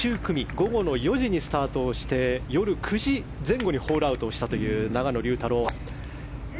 午後の４時にスタートして夜９時前後にホールアウトしたという永野竜太郎。